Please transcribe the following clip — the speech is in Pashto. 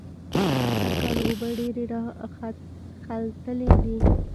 سږکال اوبه ډېرې راخلتلې دي.